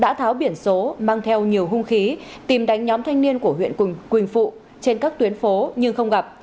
đã tháo biển số mang theo nhiều hung khí tìm đánh nhóm thanh niên của huyện quỳnh phụ trên các tuyến phố nhưng không gặp